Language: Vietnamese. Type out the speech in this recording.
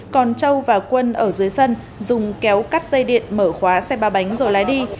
còn châu và quân ở dưới sân dùng kéo cắt dây điện mở khóa xe ba bánh rồi lái đi